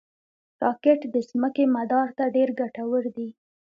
راکټ د ځمکې مدار ته ډېر ګټور دي